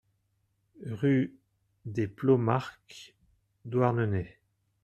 Rue des Plomarc'h, Douarnenez